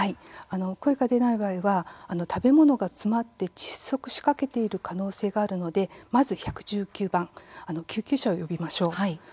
声が出ない場合は食べ物が詰まって窒息しかけている可能性があるので、まず１１９番救急車を呼びましょう。